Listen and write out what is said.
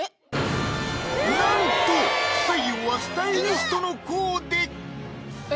なんと不採用はスタイリストのコーデ！